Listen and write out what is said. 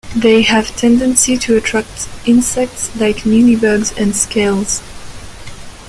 They have a tendency to attract insects like mealybugs and scales.